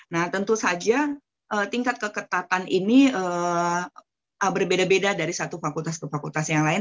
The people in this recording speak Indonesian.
nah tentu saja tingkat keketatan ini berbeda beda dari satu fakultas ke fakultas yang lain